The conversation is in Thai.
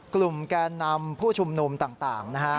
แกนนำผู้ชุมนุมต่างนะฮะ